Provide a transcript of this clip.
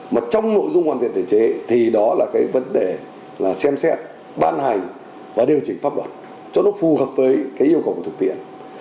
mà trong nội dung hoàn thiện thể chế thì đó là cái vấn đề là xem xét bán hành và điều chỉnh pháp luật cho nó phù hợp với cái yêu cầu của thực tiễn